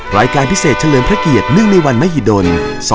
รายการพิเศษเฉลิมพระเกียรติเนื่องในวันมหิดล๒๕๖